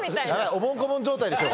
おぼん・こぼん状態ですよ